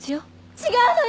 違うのよ！